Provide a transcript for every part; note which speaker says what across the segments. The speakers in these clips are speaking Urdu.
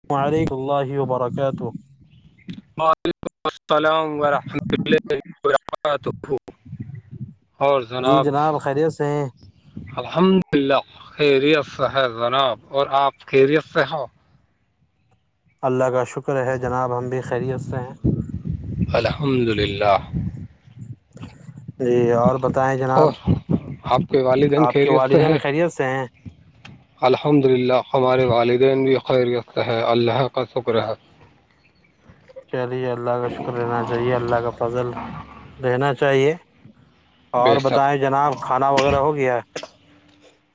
Speaker 1: وعلیکم السلام ورحمتہ اللہ وبرکاتہ
Speaker 2: وعلیکم السلام رقات ہو اور
Speaker 1: جی
Speaker 2: جناب
Speaker 1: خیریت سے ہیں
Speaker 2: الحمد للہ خیریت سے ہے جناب اور آپ خیریت سے ہے
Speaker 1: اللہ کا شکر ہے جناب ہم بھی خیریت سے ہیں
Speaker 2: الحمد للہ
Speaker 1: جی اور بتا
Speaker 2: اور آپ کے والدین
Speaker 1: آپ
Speaker 2: خیر
Speaker 1: کے
Speaker 2: و آفیت ہے
Speaker 1: والدین خیریت سے ہیں
Speaker 2: الحمد للہ ہمارے والدین بھی خیریت ہیں اللہ کا شکر ہے
Speaker 1: چلیے اللہ کا شکر رہنا چاہیے اللہ کا فضل دینا چاہیے
Speaker 2: بے
Speaker 1: اور
Speaker 2: شک
Speaker 1: بتائیں جناب کھانا وغیرہ ہو گیا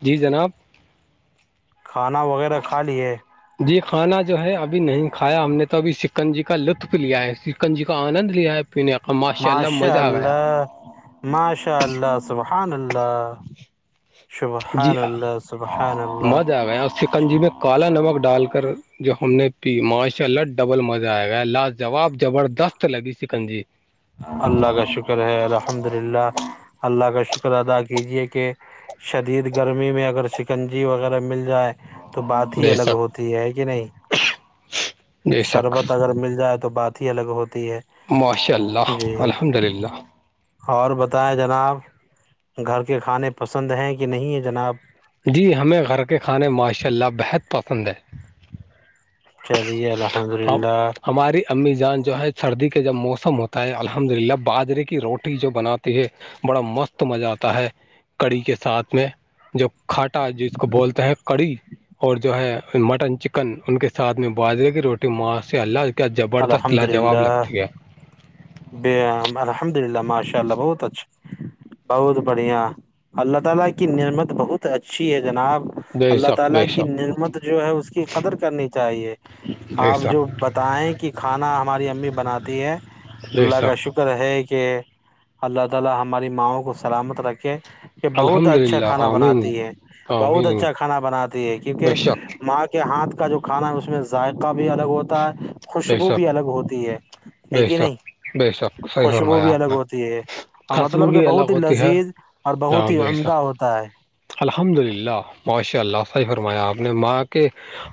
Speaker 2: جی جناب
Speaker 1: کھانا وغیرہ کھا لیے
Speaker 2: جی کھانا جو ہے ابھی نہیں کھایا ہم نے تو ابھی سکن جی کا لطف لیا ہے سکن جی کا آنند لیا ہے پنے کا ماشاء اللہ مزہ آ گیا
Speaker 1: ماشاء اللہ سبحان اللہ
Speaker 2: جی
Speaker 1: شبحان اللہ سبحان اللہ
Speaker 2: چکنجی میں کالا نمک ڈال کر جو ہم نے پی ماشاء اللہ ڈبل مزہ آئے گا لاجواب زبردست لگی سکنجی
Speaker 1: اللہ کا شکر شکر ہے الحمد للہ اللہ کا شکر ادا کیجیے کہ شدید گرمی میں اگر شکنجی وغیرہ مل جائے تو بات ہی
Speaker 2: بے
Speaker 1: الگ
Speaker 2: شک
Speaker 1: ہوتی ہے کہ نہیں
Speaker 2: بے شک
Speaker 1: شربت اگر مل جائے تو تو بات ہی الگ ہوتی ہے
Speaker 2: ماشاء اللہ
Speaker 1: جی
Speaker 2: الحمد للہ
Speaker 1: اور بتائیں جناب گھر کے کھانے پسند ہیں کہ نہیں ہے جناب
Speaker 2: جی ہمیں گھر کے کھانے ماشاء اللہ بہت پسند ہے
Speaker 1: چلیے الحمد
Speaker 2: ہم
Speaker 1: للہ
Speaker 2: ہماری امی جان جو ہے سردی کا جب موسم ہوتا ہے الحمد للہ باجرے کی روٹی جو بناتی ہے بڑا مست مزہ آتا ہے کڑی کے ساتھ میں جو کھاٹا جس کو بولتے ہیں کڑی اور جو ہے مٹن چکن ان کے ساتھ میں باجرے کی روٹی معا سے اللہ کیا زبردست
Speaker 1: الحمد
Speaker 2: لاجواب
Speaker 1: للہ
Speaker 2: لگتی ہے
Speaker 1: الحمد للہ ماشاء اللہ بہت اچھا بہت بڑھیا اللہ تعالی کی نعمت بہت اچھی ہے جناب
Speaker 2: بے
Speaker 1: اللہ
Speaker 2: شک بے
Speaker 1: تعالی کی
Speaker 2: شک
Speaker 1: نعمت جو ہے اس کی قدر کرنی چاہیے
Speaker 2: بے
Speaker 1: آپ جو
Speaker 2: شک
Speaker 1: بتائیں کہ کھانا ہماری امی بناتی ہے
Speaker 2: بے
Speaker 1: اللہ کا
Speaker 2: شک
Speaker 1: شکر ہے کہ اللہ تعالی ہماری ماؤں کو سلامت رکھے کہ بہت
Speaker 2: الحمد
Speaker 1: اچھا
Speaker 2: للہ
Speaker 1: کھانا
Speaker 2: آمین
Speaker 1: بناتی ہے بہت
Speaker 2: آمین
Speaker 1: اچھا کھانا بناتی ہے
Speaker 2: بے
Speaker 1: کیونکہ
Speaker 2: شک
Speaker 1: ماں کہ ہاتھ کا جو کھانا ہے اس میں ذائقہ بھی الگ ہوتا ہے
Speaker 2: بے
Speaker 1: خوشبو
Speaker 2: شک
Speaker 1: بھی الگ ہوتی ہے ہے
Speaker 2: بے
Speaker 1: کہ نہیں
Speaker 2: شک بے شک صحیح
Speaker 1: خوشبو
Speaker 2: فرمایا
Speaker 1: بھی
Speaker 2: آپ
Speaker 1: الگ
Speaker 2: نے
Speaker 1: ہوتی ہے اور
Speaker 2: خوشبو
Speaker 1: مطلب کہ
Speaker 2: بھی الگ
Speaker 1: بہت ہی
Speaker 2: ہوتی ہے
Speaker 1: لذیذ اور بہت
Speaker 2: ج
Speaker 1: ہی
Speaker 2: بھی ایسا
Speaker 1: عمدہ ہوتا ہے
Speaker 2: الحمد للہ معاشی اللہ تی فرمایا آپ نے ماں کے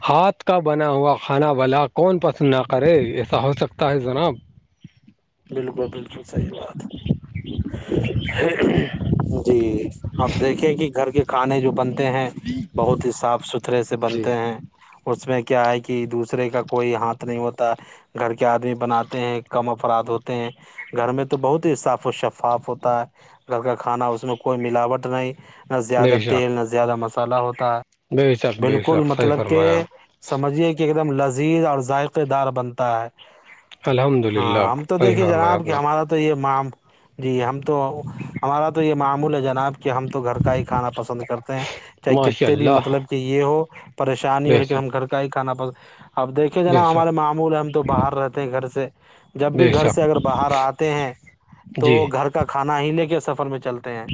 Speaker 2: ہاتھ کا بنا ہوا کھانا واللا کون پسند نہ کرے ایسا ہو سکتا ہے جناب
Speaker 1: بالکل بالکل صحیح بات جی آپ دیکھے کہ گھر کے کھانے جو بنتے ہیں بہت ہی صاف ستھرے سے
Speaker 2: جی
Speaker 1: بنتے ہیں اس میں کیا ہے کہ دوسرے کا کوئی ہاتھ نہیں ہوتا گھر کے آدمی بناتے ہیں کم افراد ہوتے ہیں گھر میں تو بہت ہی صاف و شفاف ہوتا ہے گھر کا کھانا اس میں کوئی ملاوٹ نہیں نہ زیادہ
Speaker 2: بے شک
Speaker 1: تیل نہ زیادہ مسالحہ ہوتا ہے
Speaker 2: بے شک بے
Speaker 1: بالکل
Speaker 2: شک صحیح
Speaker 1: مطلب کہ
Speaker 2: فرمایا
Speaker 1: سمجھیے کہ ایک دم لذیذ اور ذائقے دار بنتا ہے
Speaker 2: الحمد للہ
Speaker 1: ہاں ہم تو
Speaker 2: صحیح
Speaker 1: دیکھیے
Speaker 2: فرمایا
Speaker 1: جناب
Speaker 2: آپ
Speaker 1: کہ
Speaker 2: نے
Speaker 1: ہمارا تو تو یہ مع جی ہم تو ہمارا تو یہ معمول ہے جناب کہ ہم تو گھر کا ہی کھانا پسند کرتے ہیں چاہے
Speaker 2: ماشاء
Speaker 1: کتتے بھی
Speaker 2: اللہ
Speaker 1: مطلب کہ یہ ہو پریشانی ہو
Speaker 2: بے
Speaker 1: لیکن ہم
Speaker 2: شک
Speaker 1: گھر کا ہی کھانا پس اب دیکھے
Speaker 2: بے
Speaker 1: جناب
Speaker 2: شک
Speaker 1: ہمارے معمول ہے ہم تو باہر رہتے ہیں گھر سے جب
Speaker 2: بے
Speaker 1: بھی گھر
Speaker 2: شک
Speaker 1: سے اگر باہر آتے ہیں تو
Speaker 2: جی
Speaker 1: گھر کا کا کھانا ہی لے کے سفر میں چلتے ہیں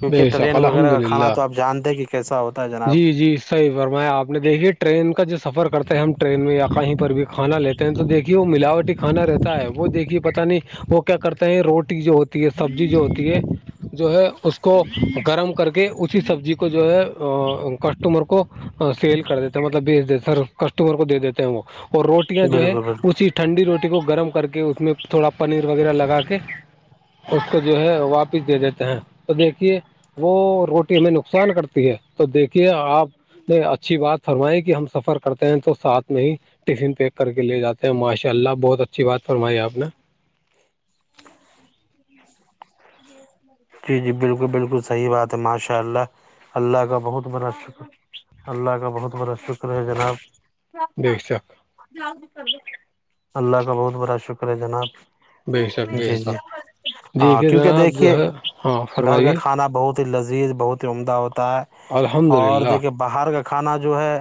Speaker 1: کیونکہ
Speaker 2: بے شک
Speaker 1: ٹرین
Speaker 2: الحمد
Speaker 1: وغیرہ کا کھانا
Speaker 2: للہ
Speaker 1: تو آپ جانتے ہیں کہ کیسا ہوتا ہے جناب
Speaker 2: جی جی صحیح فرمایا آپ نے دیکھی ٹرین کا جو سفر کرتے ہیں ہم ٹرین میں یا کہیں پر بھی کھانا لیتے تو دیکھیے وہ ملاوٹی کھانا رہتا ہے وہ دیکھیے پتہ نہیں وہ کیا کرتے ہیں روٹی جو ہوتی ہے سبزی جو ہوتی ہے جو ہے اس کو گرم کر کے اسی سبزی کو کو جو ہے کسٹمر کو سیل کر دیتا ہیں مطلب بیچ دیتے سر کسٹمر کو دے دیتے ہیں وہ اور روٹیاں جو ہے
Speaker 1: بالکل بالکل
Speaker 2: اسی ٹھنڈی روٹی کو گرم کر کے اس میں تھوڑا پنیر وغیرہ لگا کے اس کو جو ہے واپس دے دیتے ہیں تو دیکھیے وہ روٹی ہمیں نقصان کرتی ہے تو دیکھیے آپ نے اچھی بات فرمائی کہ ہم سفر کرتے ہیں تو ساتھ میں ہی ٹفن پیک کر کے لے جاتے ہیں ماشاء اللہ بہت اچھی بات فرمائی آپ نے
Speaker 1: [inaudible] جی جی جی بالکل بالکل صحیح بات ہے ماشاء اللہ اللہ کا بہت بڑا شکر اللہ کا بہت بڑا شکر ہے جناب
Speaker 2: بے شک
Speaker 1: اللہ کا بہت بڑا شکر ہے جناب
Speaker 2: بے شک بے
Speaker 1: جی جی
Speaker 2: شک
Speaker 1: ہاں
Speaker 2: دیکھیے
Speaker 1: کیونکہ
Speaker 2: جناب
Speaker 1: دیکھیے
Speaker 2: جو ہے ہاں
Speaker 1: گھر کا
Speaker 2: فرمائیے
Speaker 1: کھانا بہت ہی لذیذ بہت ہی عمدہ ہوتا ہے
Speaker 2: الحمد
Speaker 1: اور
Speaker 2: للہ
Speaker 1: دیکھیے باہر کا کھانا جو ہے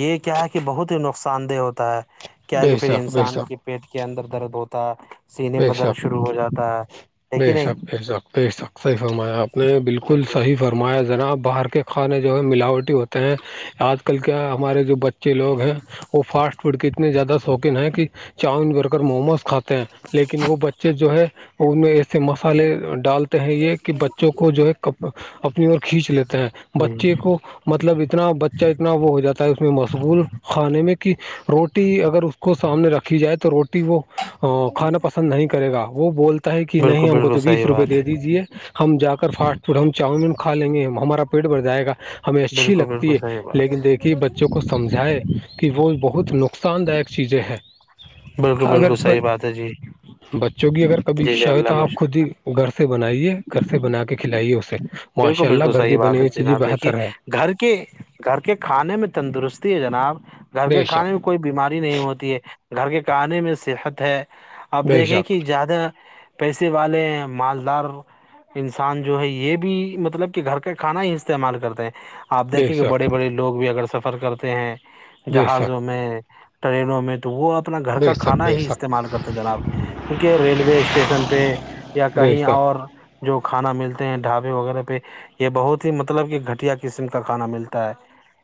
Speaker 1: یہ کیا ہے کہ بہت ہی نقصان دہ ہوتا ہے کیا کہ
Speaker 2: بے
Speaker 1: پھر
Speaker 2: شک بے
Speaker 1: انسان
Speaker 2: شک
Speaker 1: کے پیٹ کے اندر درد ہوتا سینے
Speaker 2: بے
Speaker 1: بدر
Speaker 2: شک
Speaker 1: شروع ہو جاتا ہے ہے کہ نہیں
Speaker 2: پی شکص فرمایا آپ نے بالکل
Speaker 1: جی
Speaker 2: صحیح فرم ہمرمایاں جناب باہر کے کھانے جو ہے ملاوٹی ہوتے ہیں آج کل کیا ہمارے جو بچے جو لوگ ہیں وہ فاسٹ فوڈ کے اتنے زیادہ شوقین ہیں کہ چاؤن برگر موموز کھاتے ہیں لیکن وہ بچے جو ہے ان میں سے مسالحے ڈالتے ہیں یہ کہ بچوں کو جو ہے کپ اپنی اور کھینچ لیتا ہے
Speaker 1: جی
Speaker 2: بچے کو مطلب اتنا بچہ اتنا وہ ہو جاتا ہے اس میں مشغول کھانے میں کہ روٹی اگر اس کو سامنے رکھی جائے تو روٹی وہ کھانا پسند نہیں کرے گا وہ بولتا ہے کہ
Speaker 1: بالکل
Speaker 2: نہیں ہم کو
Speaker 1: بالکل
Speaker 2: تو بیس
Speaker 1: صحیح
Speaker 2: روپے دے
Speaker 1: بات
Speaker 2: دیجیے ہم جا کر فاسٹ فوڈ ہم چاؤمن کھا لیں گے ہمارا پیٹ بڑھ جائے گا ہمیں اچھی
Speaker 1: بالکل
Speaker 2: لگتی
Speaker 1: بالکل
Speaker 2: ہے
Speaker 1: صحیح بات
Speaker 2: لیکن دیکھیے بچوں کو سمجھائے کہ وہ بہت نقصان داک چیزیں ہیں
Speaker 1: بالکل
Speaker 2: اگر
Speaker 1: بالکل صحیح بات ہے جی
Speaker 2: بچوں کی اگر کبھی
Speaker 1: جی جی
Speaker 2: شہت اچھا
Speaker 1: اللہ
Speaker 2: ہو تو
Speaker 1: کا
Speaker 2: آپ خود ہی گھر سے بنائیے گھر سے بنا کے کھلائیے اسے
Speaker 1: بالکل
Speaker 2: ماشاء اللہ
Speaker 1: بالکل
Speaker 2: گھر کی
Speaker 1: صحیح
Speaker 2: بنی
Speaker 1: بات ہے
Speaker 2: ہوئی چیزیں
Speaker 1: جناب دیکھیے
Speaker 2: بہتر ہے
Speaker 1: گھر کے گھر کے کھانے میں تندرستی ہے جناب گھر کے
Speaker 2: بے
Speaker 1: کھانے
Speaker 2: شک
Speaker 1: کوئی بیماری نہیں ہوتی ہے گھر کے کہنے میں صحت ہے اپ
Speaker 2: بے
Speaker 1: دیکھیں
Speaker 2: شک
Speaker 1: کہ زیادہ پیسے والے مالدار انسان جو ہے یہ بھی مطلب کہ گھر کا کھانا ہی استعمال کرتے ہیں آپ
Speaker 2: بے
Speaker 1: دیکھیں کہ بڑے
Speaker 2: شک
Speaker 1: بڑے لوگ بھی اگر سفر کرتے ہیں
Speaker 2: بے شک
Speaker 1: جہازوں میں ٹرینوں میں تو وہ اپنا گھر
Speaker 2: بے
Speaker 1: کا
Speaker 2: شک
Speaker 1: کھانا
Speaker 2: بے
Speaker 1: ہی
Speaker 2: شک
Speaker 1: استعمال کرتے جناب کیونکہ ریلوے اسٹیشن پہ یا
Speaker 2: بے
Speaker 1: کہیں
Speaker 2: شک
Speaker 1: اور جو کھانا ملتے ہیں ڈھابے وغیرہ پہ یہ بہت ہی مطلب کہ گھٹیا قسم کا کھانا ملتا ہے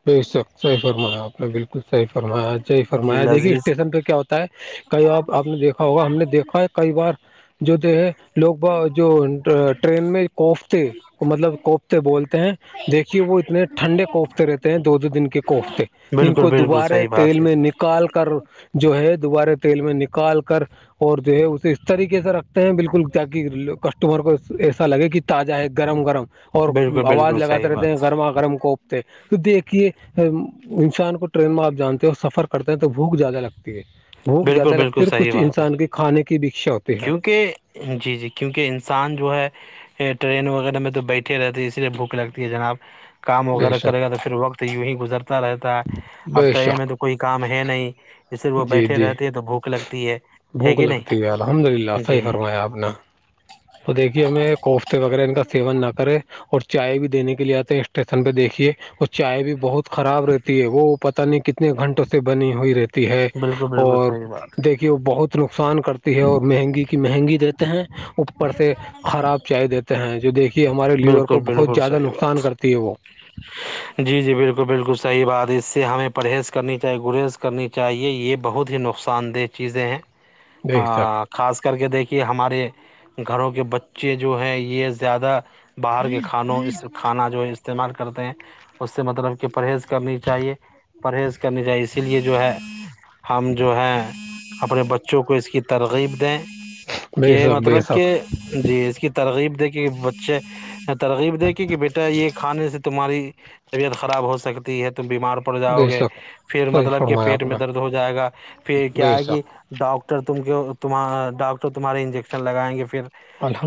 Speaker 2: ب اس وت صحی فرمایا آپ نے بالکل صحی فرمایا صحی
Speaker 1: جی
Speaker 2: فرمایا دیکھیے
Speaker 1: لذیذ
Speaker 2: اسٹیشن پہ کیا ہوتا کئی بار آپ نے دیکھا ہوگا ہم نے دیکھا ہے کئی بار جو جو ہے لوگ ب جو ٹرین میں کوفتے مطلب کوفتے بولتے ہیں دیکھیے وہ اتنے ٹھنڈے کوفتے رہتے ہیں دو دو دن کے کوفتے جن
Speaker 1: بالکل
Speaker 2: کو
Speaker 1: بالکل
Speaker 2: دوبارے
Speaker 1: صحیح بات
Speaker 2: تیل
Speaker 1: ہے
Speaker 2: میں نکال کر جو ہے دوبارہ تیل میں نکال کر اور جو ہے اسے اس طریقے سے رکھ بالکل ت کہ کسٹمر کو ایسا لگے کہ تازہ ہے گرم گرم اور
Speaker 1: بالکل
Speaker 2: آواز
Speaker 1: بالکل
Speaker 2: لگاتے
Speaker 1: صحیح
Speaker 2: رہتے ہیں
Speaker 1: بات
Speaker 2: گرما گرم کوپتے تو دیکھیے انسان کو ٹرین میں آپ جانتے ہیں اور سفر کرتے ہیں تو بھوک زیادہ لگتی ہے بھوک
Speaker 1: بالکل
Speaker 2: زیادہ
Speaker 1: بالکل
Speaker 2: لگتی اور
Speaker 1: صحیح
Speaker 2: کچھ
Speaker 1: بات ہے
Speaker 2: انسان کے کھانے کی بھی اکچھا ہوتی ہیں
Speaker 1: کیونکہ جی جی کیونکہ انسان جو ہے ٹرین وغیرہ میں تو بیٹھے رہتی ہے اسی لیے بھوک لگتی ہے جناب کام
Speaker 2: بے
Speaker 1: وغیرہ کرے گا
Speaker 2: شک
Speaker 1: تو پھر وقت یوں ہی گزرتا رہتا ہے اب
Speaker 2: بے
Speaker 1: ٹریم ہے
Speaker 2: شک
Speaker 1: تو کوئی کام ہے نہیں اسے وہ
Speaker 2: جی
Speaker 1: بیٹھے
Speaker 2: جی
Speaker 1: رہتے ہیں تو بھوک لگتی ہے ہے
Speaker 2: بھوک
Speaker 1: کہ
Speaker 2: لگتی ہے الحمد للہ
Speaker 1: نہیں
Speaker 2: صحیح
Speaker 1: جی
Speaker 2: فرمایا آپ نے تو دیکھیے ہمیں کوفتے وغیرہ ان کا سیون نہ کرے اور چائے بھی دینے کے لیے آتے ہیں اسٹیشن پہ دیکھیے چائے بھی بہت خراب رہتی ہے وہ پتہ نہیں کتنے گھنٹوں سے بنی ہوئی رہتی ہے
Speaker 1: بالکل بالکل
Speaker 2: اور
Speaker 1: صحیح بات
Speaker 2: دیکھیے بہت نقصان کرتی ہے اور مہنگی کی مہنگی دیتے ہیں اوپر سے خراب چائے دیتے ہیں جو دیکھیے ہمارے لیور کو
Speaker 1: بالکل
Speaker 2: بہت
Speaker 1: بالکل
Speaker 2: زیادہ
Speaker 1: صحیح بات
Speaker 2: نقصان کرتی ہے وہ
Speaker 1: [inaudible] جی جی بالکل بالکل صحیح بات ہے اس سے ہمیں پرہیز کرنی چاہیے گریز کرنی چاہے یہ بہت ہی نقصان نقسان دہ چیزیں ہیں
Speaker 2: بے شک
Speaker 1: خاص کر کے دیکھیے ہمارے گھروں کے بچے جو ہیں یہ زیادہ باہر کے کھانوں اس کھانا جو ہے استعمال کرتے ہیں اس سے مطلب کہ پرہیز کرنی چاہیے پرہیز کرنے چاہے اسی لیے جو ہے ہم جو ہے اپنے بچوں کو اس کی ترغیب دیں
Speaker 2: بے
Speaker 1: کہ
Speaker 2: شک بے
Speaker 1: مطلب کہ
Speaker 2: شک
Speaker 1: جی اس کی ترغیب دیکھی کہ بچے ترغیب دیکھی کہ بیٹا یہ کھانے سے تمہاری طبیعت خراب ہو سکتی ہے تم بیمار پر پڑ جاؤ
Speaker 2: بے
Speaker 1: گے
Speaker 2: شک
Speaker 1: پھر
Speaker 2: صحیح
Speaker 1: مطلب کہ
Speaker 2: فرمایا
Speaker 1: پیٹ
Speaker 2: آپ
Speaker 1: میں
Speaker 2: نے
Speaker 1: درد ہو جائے گا پھر کیا
Speaker 2: بے
Speaker 1: ہے کہ
Speaker 2: شک
Speaker 1: ڈاکٹر ت ت ڈاکٹر تمہارے انجیکشن لگائیں گے پھر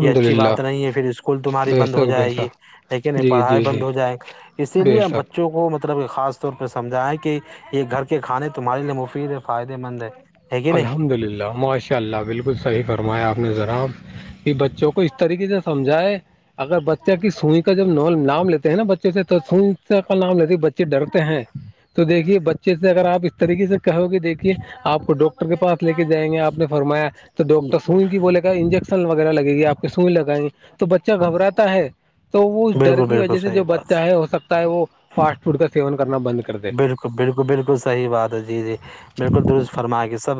Speaker 1: یہ اچھی
Speaker 2: للہ
Speaker 1: بات نہیں ہے پھر اسکول تمہاری
Speaker 2: بے
Speaker 1: بند ہو
Speaker 2: شک بے
Speaker 1: جائے گی
Speaker 2: شک
Speaker 1: یک نہیں
Speaker 2: جی
Speaker 1: پڑھائی
Speaker 2: جی
Speaker 1: بند
Speaker 2: جی
Speaker 1: ہو جائے اسی
Speaker 2: بے
Speaker 1: لیے ہم
Speaker 2: شک
Speaker 1: بچوں کو مطلب خاص طور پہ سمجھائ کہ یہ گھر کے کھانے تمہارے لیے مفید فائدے مند ہے ہے کہ نہیں
Speaker 2: الحمد للہ معاشی چء اللہ بالکل صحیح فرمایا آپ نے ذرا کہ بچوں کو اس طریقے سے سمجھائے اگر بچہ کی سوئی کا جب ن نام لیتے ہیں نا بچ سے ت کا نام لتی بچے ڈرتے ہیں تو دیکھیے بچے سے اگر آپ اس طریقے سے کہو گی دیکھیے آپ کو ڈاکٹر کے پاس لے کے جائیں گے آپ نے فرمایا تو ڈاکٹر سوئیں گ بولے انجیکشن وغیرہ لگے گی آپ کے سوئی لگائیں تو بچہ گباتا ہے تو وہ اس ڈر
Speaker 1: بالکل
Speaker 2: کی
Speaker 1: بالکل
Speaker 2: وجہ سے
Speaker 1: صحیح
Speaker 2: جو بچہ
Speaker 1: بات
Speaker 2: ہے ہو سکتا ہے وہ فاسٹ فوڈ کا سیون کرنا بند کرتا
Speaker 1: بالکل بالکل بالکل صح بات ہے جی جی بالکل درست فرما کے سب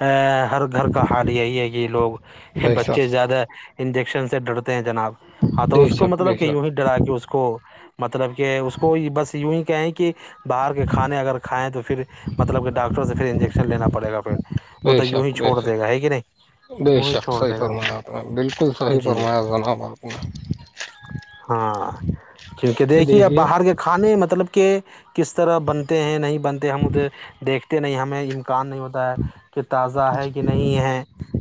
Speaker 1: ا ہر گھر کا حال یہی ہے کہ لوگ
Speaker 2: بے
Speaker 1: بچے
Speaker 2: شک
Speaker 1: زیادہ انجیکشن سے ڈرتے ہیں جناب ہاں تو
Speaker 2: بے
Speaker 1: اس کو
Speaker 2: شک بے
Speaker 1: مطلب کہ یوں
Speaker 2: شک
Speaker 1: ہی ڈرا کے اس کو مطلب کہ اس کو بس یوں ہی کہیں کہ باہر کے کھانے اگر کھائیں تو پھر مطلب کہ ڈاکٹر سے پھر انجیکشن لینا پڑے گا پھر وہ
Speaker 2: بے
Speaker 1: تو یوں ہی
Speaker 2: شک بے
Speaker 1: چھوڑ
Speaker 2: شک
Speaker 1: دے گا ہے کہ نہیں
Speaker 2: بے
Speaker 1: یوں ہی
Speaker 2: شک
Speaker 1: چھوڑ
Speaker 2: صحیح
Speaker 1: دے گا وہ
Speaker 2: فرمایا اپ نے بالکل صحیح
Speaker 1: جی
Speaker 2: فرمایا جنابت نے
Speaker 1: ہاں کیونکہ دیکھیے اب باہر کے کھانے مطلب کہ کس طرح بنتے ہیں نہیں بنتے ہم ادھر دیکھتے نہیں ہمیں امکان نہیں ہوتا ہے کہ تازہ ہے کہ نہیں ہے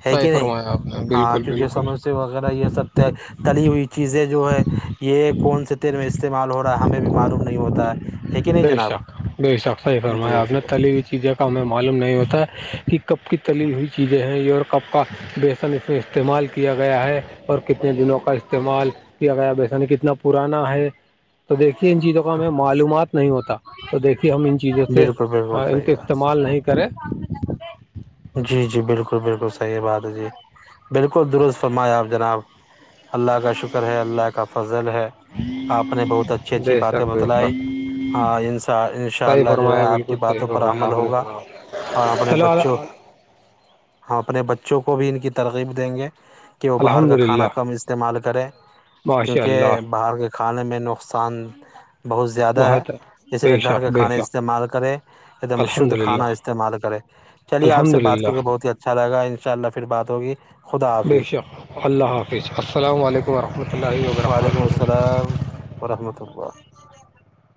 Speaker 1: ہے
Speaker 2: صحیح
Speaker 1: کہ نہیں
Speaker 2: فرمایا آپ نے
Speaker 1: ہاں
Speaker 2: بالکل
Speaker 1: کیونکہ
Speaker 2: بالکل
Speaker 1: سموسے وغیرہ یہ سب تھے تلی ہوئی چیزیں جو ہے یہ کون سے تیل میں استعمال ہو رہا ہے ہمیں بھی معلوم نہیں ہوتا ہے ہے کہ نہیں
Speaker 2: بے
Speaker 1: جناب
Speaker 2: شک بے شک صحیح
Speaker 1: جی
Speaker 2: فرمایا آپ
Speaker 1: جی
Speaker 2: نے تلی ہوئی چیزیں ہمیں معلوم نہیں ہوتا کہ کب کی تلی ہوئی چیزیں ہیں اور کپ کا بیسن اس میں استعمال کیا گیا ہے اور کتنے دنوں کا استعمال کیا گیا و ایسا نہیں کتنا پرانا ہے تو دیکھیے ان چیزوں کو ہمیں معلومات نہیں ہوتا تو دیکھیے ہم ان چیزوں سے
Speaker 1: بالکل بالکل
Speaker 2: ان
Speaker 1: سحی
Speaker 2: کے
Speaker 1: بات
Speaker 2: استعمال نہیں کریں
Speaker 1: جی جی بالکل بالکل صحیح بات ہے جی بالکل درست فرمایا آپ جناب اللہ کا شکر ہے اللہ کا فضل ہے
Speaker 2: ہاں
Speaker 1: اپ نے بہت اچھی اچھی باتیں بتائی ہاں انا ان شاء
Speaker 2: صحیح
Speaker 1: اللہ جو ہے
Speaker 2: فرمایا
Speaker 1: آپ کی
Speaker 2: بالکل صحیح
Speaker 1: باتوں پر
Speaker 2: فرمایا
Speaker 1: عمل
Speaker 2: آپ نے
Speaker 1: ہوگا
Speaker 2: جناب
Speaker 1: اور اپنے بچوں
Speaker 2: چلو
Speaker 1: ہم اپنے بچوں کو بھی ان کی ترغیب دیں گے کہ وہ باہر
Speaker 2: الحمد
Speaker 1: کا
Speaker 2: للہ
Speaker 1: کھانا کم استعمال کرے
Speaker 2: ماشاء اللہ
Speaker 1: کیونکہ باہر کے کھانے میں نقصان بہت زیادہ ہے
Speaker 2: بہت
Speaker 1: اس لیے
Speaker 2: بے
Speaker 1: گھر
Speaker 2: شک
Speaker 1: کے
Speaker 2: بے
Speaker 1: کھانے
Speaker 2: شک
Speaker 1: استعمال کرے ایک دم
Speaker 2: الحمد
Speaker 1: شدھ کھانا
Speaker 2: للہ
Speaker 1: استعمال کرے چلیے آپ
Speaker 2: الحمد
Speaker 1: سے بات
Speaker 2: للہ
Speaker 1: کر کے بہت ہی اچھا لگا ان شاء اللہ پھر بات ہوگی خدا
Speaker 2: بے
Speaker 1: حافظ
Speaker 2: شک اللہ حافظ السلام علیکم رحمۃ اللہ و
Speaker 1: وعلیکم
Speaker 2: برکاتہ
Speaker 1: السلام ورحمۃ اللہ